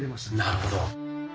なるほど。